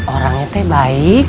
orang nyate baik